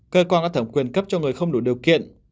cơ quan có thẩm quyền cấp cho người không đủ điều kiện